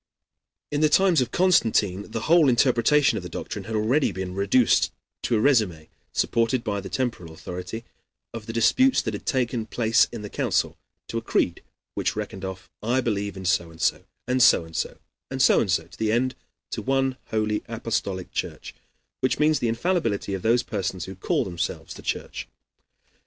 In the times of Constantine the whole interpretation of the doctrine had been already reduced to a RÉSUMÉ supported by the temporal authority of the disputes that had taken place in the Council to a creed which reckoned off I believe in so and so, and so and so, and so and so to the end to one holy, Apostolic Church, which means the infallibility of those persons who call themselves the Church.